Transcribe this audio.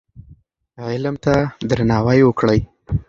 علم ته درناوی وکړئ.